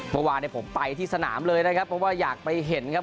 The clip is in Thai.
เมื่อวานเนี่ยผมไปที่สนามเลยนะครับเพราะว่าอยากไปเห็นครับ